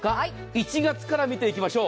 １月から見ていきましょう。